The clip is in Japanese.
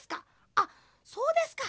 あっそうですか。